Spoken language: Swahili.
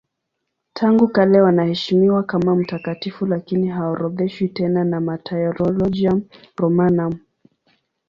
Tangu kale wanaheshimiwa kama mtakatifu lakini haorodheshwi tena na Martyrologium Romanum.